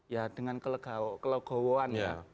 ya dengan kelegawaan ya